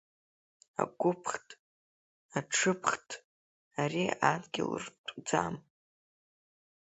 Агәыԥхҭ, аҽыԥхҭ, ари адгьыл ртәӡам.